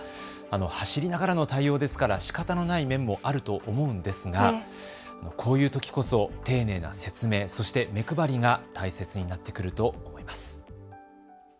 走りながらの対応ですからしかたのない面もあると思うんですがこういうときこそ丁寧な説明、そして目配りが大切になってくると思います。